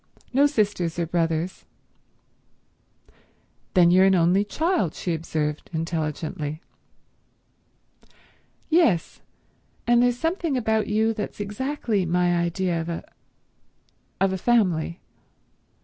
No sisters or brothers." "Then you're an only child," she observed intelligently. "Yes. And there's something about you that's exactly my idea of a—of a family."